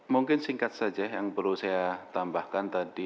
mungkin singkat saja yang perlu saya tambahkan tadi